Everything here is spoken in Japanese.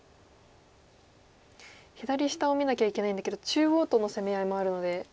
左下を見なきゃいけないんだけど中央との攻め合いもあるので。